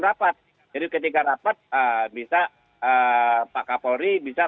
terima kasih meminta pembangunan di fgmi juga